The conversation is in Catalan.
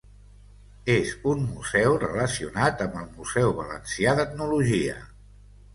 És un museu relacionat amb el Museu Valencià d'Etnologia.